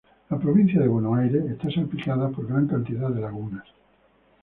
La Provincia de Buenos Aires está salpicada por gran cantidad de lagunas.